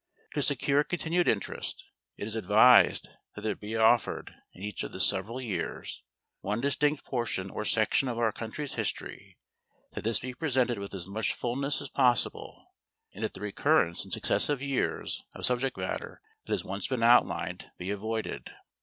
To secure continued interest, it is advised that there be offered, in each of the several years, one distinct portion or section of our country's history; that this be presented with as much fulness as possible and that the recurrence in successive years of subject matter that has once been outlined be avoided.